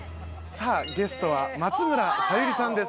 ゲストは松村沙友理さんです。